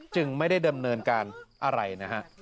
จึงไม่ได้ดำเนินการอะไรนะฮะ